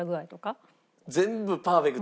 全部パーフェクト？